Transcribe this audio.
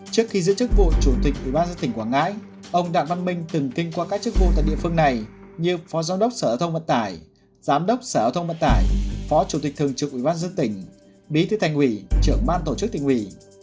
trước khi giữ chức vụ chủ tịch ủy ban dân tỉnh quảng ngãi ông đặng văn minh từng kinh qua các chức vụ tại địa phương này như phó giám đốc sở hệ thông vận tải giám đốc sở hệ thông vận tải phó chủ tịch thường trực ủy ban dân tỉnh bí thứ thành ủy trưởng ban tổ chức tỉnh ủy